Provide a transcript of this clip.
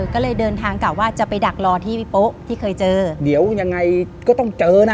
ก็เลยเดินทางกลับว่าจะไปดักรอที่พี่โป๊ะที่เคยเจอเดี๋ยวยังไงก็ต้องเจอนะ